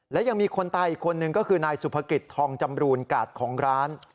และยังมีคนตายอีกคนนึงก็คือนายสุภกิจทองจำรูนกาดของร้าน